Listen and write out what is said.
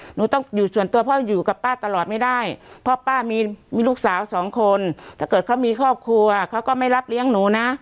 หนูต้องอยู่ส่วนตัวพ่ออยู่กับป้าตลอดไม่ได้เพราะป้ามีลูกสาวสองคนถ้าเกิดเขามีครอบครัวเขาก็ไม่รับเลี้ยงหนูนะ